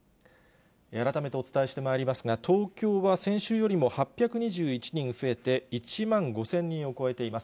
改めてお伝えしてまいりますが、東京は先週よりも８２１人増えて、１万５０００人を超えています。